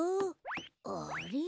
あれ？